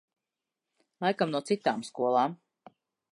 Laikam no citām skolām.